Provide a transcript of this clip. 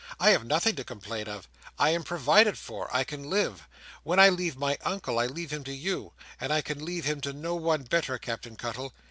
"I have nothing to complain of. I am provided for. I can live. When I leave my Uncle, I leave him to you; and I can leave him to no one better, Captain Cuttle.